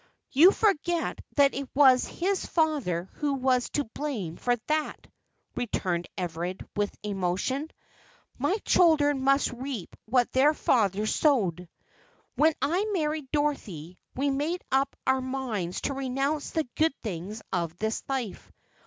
"You forget that it was his father who was to blame for that," returned Everard, with emotion. "My children must reap what their father sowed. When I married Dorothy, we made up our minds to renounce the good things of this life.